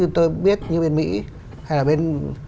tôi biết như bên mỹ hay là bên